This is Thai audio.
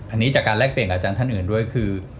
อันนี้จากการแลกเปลี่ยนกับอาจารย์ท่านอื่นด้วยคือ